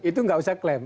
itu gak usah klaim